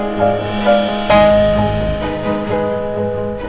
ini bukti pa